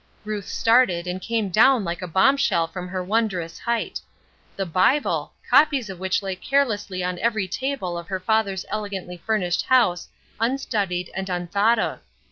Ruth started and came down like a bomb shell from her wondrous height. The Bible! copies of which lay carelessly on every table of her father's elegantly furnished house unstudied and unthought of.